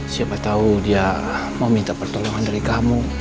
siapa tau dia mau minta pertolongan dari kamu